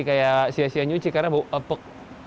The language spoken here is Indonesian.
kayak sia sia nyuci karena bau pek